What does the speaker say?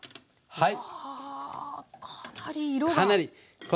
はい。